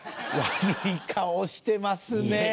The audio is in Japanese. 悪い顔してますね！